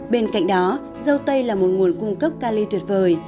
bên cạnh đó dâu tây là một nguồn cung cấp cali tuyệt vời